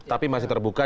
tapi masih terbuka